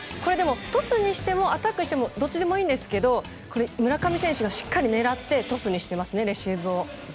トスにしてもアタックにしてもどっちでもいいんですが村上選手がしっかり狙ってトスにしていますねレシーブを。